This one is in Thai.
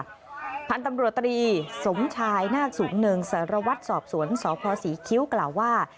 ผ่านตำรวจตรีสมชายนักสมเนิงสารวัตรสอบสวนสภศรีคิ้วกล่าวว่า